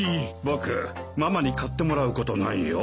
僕ママに買ってもらうことないよ。